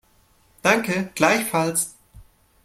Danke, gleichfalls.